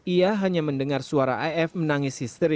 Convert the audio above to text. ia hanya mendengar suara af menangis histeri